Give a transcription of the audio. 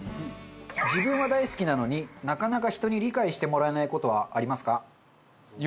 自分は大好きなのになかなか人に理解してもらえない事はありますか？